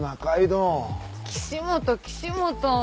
岸本岸本。